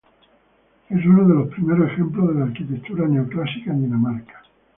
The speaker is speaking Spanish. Es uno de los primeros ejemplos de la arquitectura neoclásica en Dinamarca.